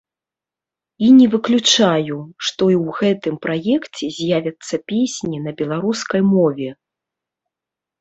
І не выключаю, што і ў гэтым праекце з'явяцца песні на беларускай мове.